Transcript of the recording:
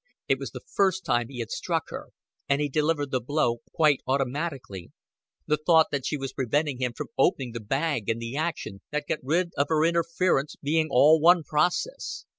It was the first time he had struck her, and he delivered the blow quite automatically, the thought that she was preventing him from opening the bag and the action that got rid of her interference being all one process.